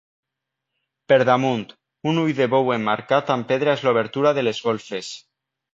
Per damunt, un ull de bou emmarcat amb pedra és l’obertura de les golfes.